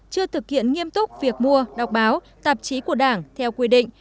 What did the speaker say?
chưa thực hiện nghiêm túc việc mua đọc báo tạp chí của đảng theo quy định